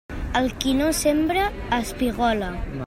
El qui no sembra, espigola.